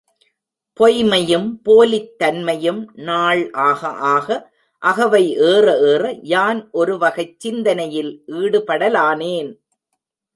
பொய்ம்மையும் போலித் தன்மையும் நாள் ஆக ஆக, அகவை ஏற ஏற யான் ஒரு வகைச் சிந்தனையில் ஈடுபடலானேன்.